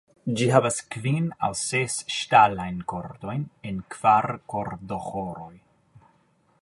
Ĝi havas kvin aŭ ses ŝtalajn kordojn en kvar kordoĥoroj.